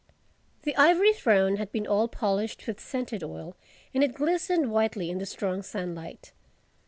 The Ivory Throne had been all polished with scented oil and it glistened whitely in the strong sunlight.